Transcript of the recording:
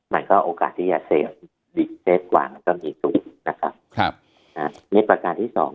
มันก็โอกาสที่จะเซฟกว่ามันก็มีตุ๊กนะครับครับฮะในประการที่สอง